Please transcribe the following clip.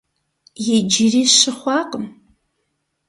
Иджыри щы хъуакъым.